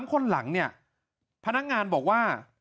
๓คนหลังเนี่ยพนักงานบอกว่า